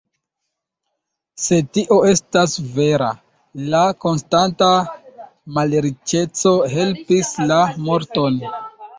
Se tio estas vera, la konstanta malriĉeco helpis la morton.